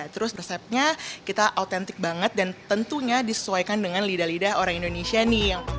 terus resepnya kita autentik banget dan tentunya disesuaikan dengan lidah lidah orang indonesia nih